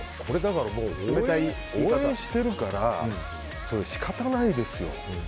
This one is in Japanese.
応援しているから仕方ないですよ。